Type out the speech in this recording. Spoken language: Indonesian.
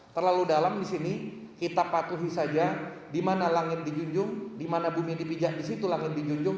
terlalu dalam di sini kita patuhi saja di mana langit dijunjung di mana bumi dipijak di situ langit dijunjung